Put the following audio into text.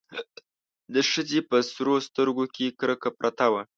د ښځې په سرو سترګو کې کرکه پرته وه.